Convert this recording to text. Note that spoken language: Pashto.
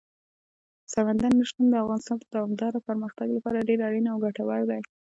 سمندر نه شتون د افغانستان د دوامداره پرمختګ لپاره ډېر اړین او ګټور دی.